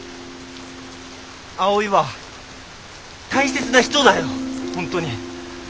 葵は大切な人だよ本当に。